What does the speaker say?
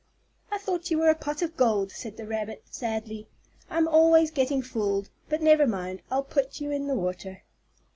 "I thought you were a pot of gold," said the rabbit, sadly. "I'm always getting fooled. But never mind. I'll put you in the water."